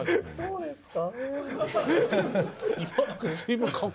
そうですか。